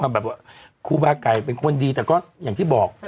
แบบว่าครูบาไก่เป็นคนดีแต่ก็อย่างที่บอก